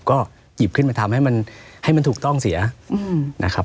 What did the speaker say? ก็หยิบขึ้นมาทำให้มันให้มันถูกต้องเสียนะครับ